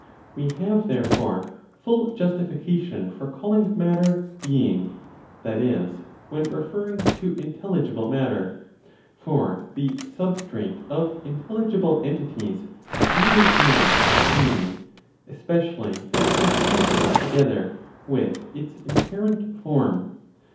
We have, therefore, full justification for calling matter "being," that is, when referring to intelligible matter; for the substrate of intelligible entities really is "being," especially if conceived of together with its inherent (form).